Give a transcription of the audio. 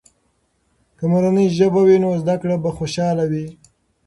که مورنۍ ژبه وي، نو زده کړه به خوشحاله وي.